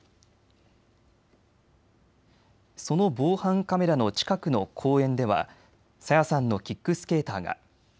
その防犯カメラの近くの公園では朝芽さんのキックスケーターが。